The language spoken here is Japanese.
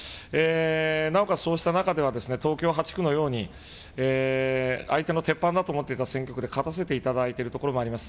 なおかつそうした中では、東京８区のように、相手の鉄板だと思っていた選挙区で勝たせていただいている所もあります。